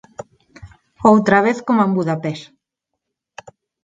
Outra vez coma en Budapest.